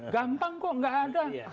gampang kok gak ada